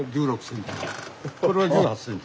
これの１６センチ。